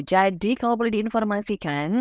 jadi kalau boleh diinformasikan